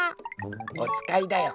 おつかいだよ。